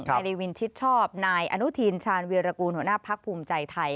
นายรีวินชิดชอบนายอนุทินชาญวีรกูลหัวหน้าพักภูมิใจไทย